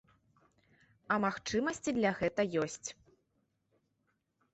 А магчымасці для гэта ёсць.